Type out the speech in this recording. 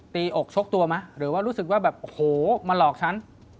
ตีอกชกตัวมั้ยหรือว่ารู้สึกว่าแบบโหมาหลอกฉัน